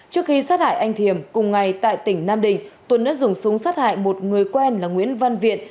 trước khi sát hại anh thiềm cùng ngày tại tỉnh nam định tuấn đã dùng súng sát hại một người quen là nguyễn văn viện